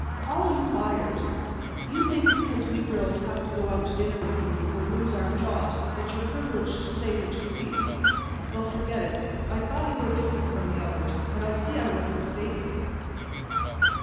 "All you buyers. You think because we girls have to go out to dinner with you or lose our jobs that you're privileged to say what you please. Well, forget it. I thought you were different from the others, but I see I was mistaken."